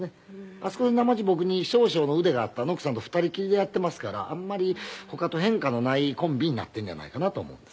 あそこでなまじ僕に少々の腕があったらノックさんと２人きりでやっていますからあんまり他と変化のないコンビになっているんじゃないかなと思うんです。